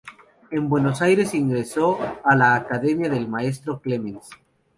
En Buenos Aires ingreso a la Academia del maestro Clemens.